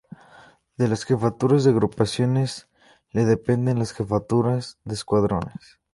De las Jefaturas de Agrupaciones le dependen las Jefaturas de Escuadrones.